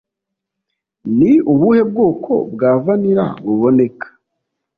Ni ubuhe bwoko bwa vanilla buboneka?